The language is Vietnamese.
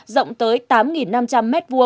rộng tới tám năm trăm linh m hai